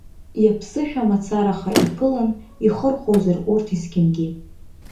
Иаԥсышәа мацараха иԥылан, ихырхәозар урҭ есқьынгьы!